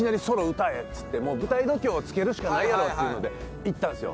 舞台度胸つけるしかないやろっていうのでいったんですよ。